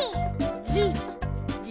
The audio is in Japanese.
じじ？